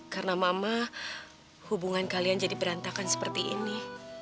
karena mama hubungan kalian jadi berantakan seperti ini